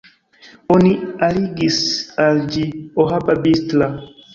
Oni aligis al ĝi Ohaba-Bistra.